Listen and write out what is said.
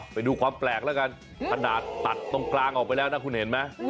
ไปดูความแปลกแล้วกันขนาดตัดตรงกลางออกไปแล้วนะคุณเห็นไหม